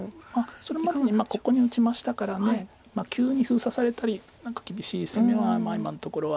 それは今ここに打ちましたから急に封鎖されたり何か厳しい攻めは今のところは。